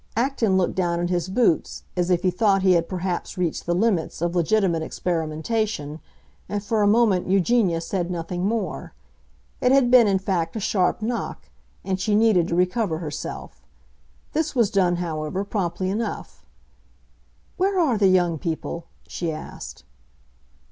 Acton looked down at his boots, as if he thought he had perhaps reached the limits of legitimate experimentation, and for a moment Eugenia said nothing more. It had been, in fact, a sharp knock, and she needed to recover herself. This was done, however, promptly enough. "Where are the young people?" she asked.